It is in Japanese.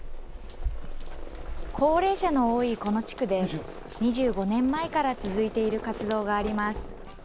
高齢者の多いこの地区で、２５年前から続いている活動があります。